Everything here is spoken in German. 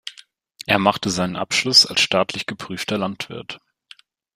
Er machte seinen Abschluss als staatlich geprüfter Landwirt.